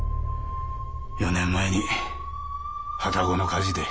４年前に旅籠の火事で。